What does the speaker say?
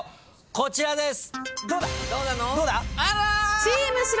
こちらです。